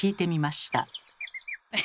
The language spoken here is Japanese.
え？